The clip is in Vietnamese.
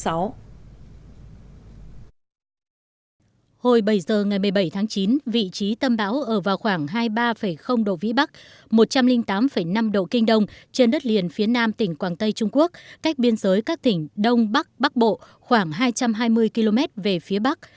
hồi giờ ngày một mươi bảy tháng chín vị trí tâm bão ở vào khoảng hai mươi ba độ vĩ bắc một trăm linh tám năm độ kinh đông trên đất liền phía nam tỉnh quảng tây trung quốc cách biên giới các tỉnh đông bắc bắc bộ khoảng hai trăm hai mươi km về phía bắc